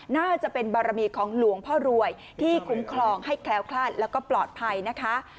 น่าจะเป็นบารมีของหลวงพ่อรวยที่คุ้มครองให้แคล้วคลาดแล้วก็ปลอดภัยนะคะ